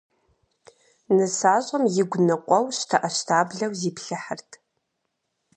Нысащӏэм игу ныкъуэу, щтэӏэщтаблэу зиплъыхьырт.